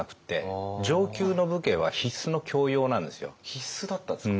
必須だったんですか。